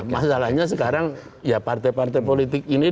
masalahnya sekarang ya partai partai politik ini